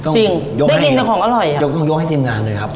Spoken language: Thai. จริงได้ยินแต่ของอร่อยอ่ะยกต้องยกให้ทีมงานเลยครับ